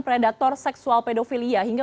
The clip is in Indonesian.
predator seksual pedofilia hingga